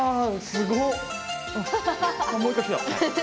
すごい！